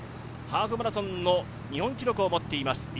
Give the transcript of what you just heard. ハーフマラソンの日本記録を持っています。